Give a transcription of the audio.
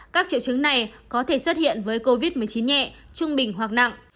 các triệu chứng này có thể xuất hiện với covid một mươi chín nhẹ trung bình hoặc nặng